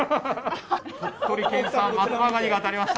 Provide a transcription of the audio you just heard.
鳥取県産、松葉ガニが当たりました。